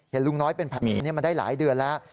เห็นลุงน้อยเป็นแผลนี้มาได้หลายเดือนแล้ว